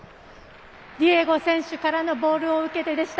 ディエゴ選手からのボールを受けてでした。